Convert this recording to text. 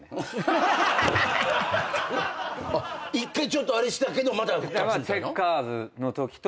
一回ちょっとあれしたけどまた復活みたいな？